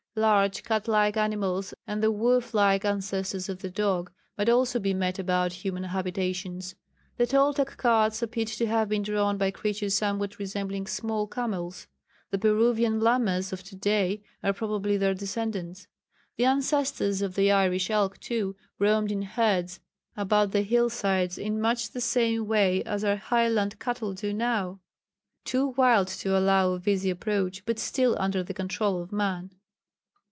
Large cat like animals and the wolf like ancestors of the dog might also be met about human habitations. The Toltec carts appear to have been drawn by creatures somewhat resembling small camels. The Peruvian llamas of to day are probably their descendants. The ancestors of the Irish elk, too, roamed in herds about the hill sides in much the same way as our Highland cattle do now too wild to allow of easy approach, but still under the control of man.